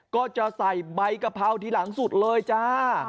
ก็จะใส่ใบกะเพราทีหลังสุดเลยจ้า